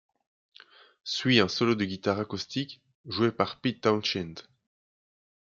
Suit un solo de guitare acoustique joué par Pete Townshend.